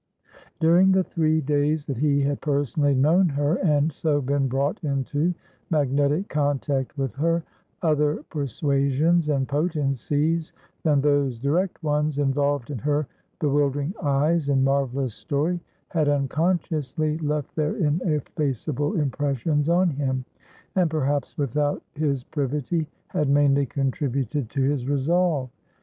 During the three days that he had personally known her, and so been brought into magnetic contact with her, other persuasions and potencies than those direct ones, involved in her bewildering eyes and marvelous story, had unconsciously left their ineffaceable impressions on him, and perhaps without his privity, had mainly contributed to his resolve.